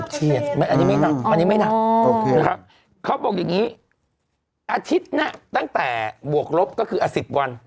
ก็จะเฉียบเฉียบ๒๕อันนี้ไม่หนักเขาบอกอย่างนี้อาทิตย์นั้นตั้งแต่บวกลบก็คืออศิษฐ์วัน